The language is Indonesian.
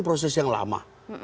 proses yang lama